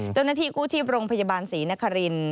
เจ้าหน้าที่กู้ชีพโรงพยาบาลศรีนคริน